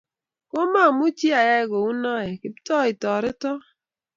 ko maa omuchi ayai kou noee nKiptooaitoreto